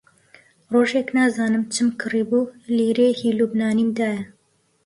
ڕۆژێک نازانم چم کڕیبوو، لیرەیەکی لوبنانیم دایە